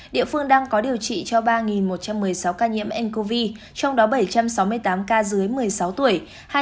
địa phương đang có điều trị cho ba một trăm một mươi sáu ca nhiễm ncov trong đó bảy trăm sáu mươi tám ca dưới một mươi sáu tuổi